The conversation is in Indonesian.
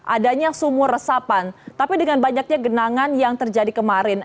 adanya sumur resapan tapi dengan banyaknya genangan yang terjadi kemarin